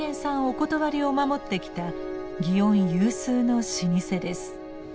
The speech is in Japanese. お断りを守ってきた祇園有数の老舗です。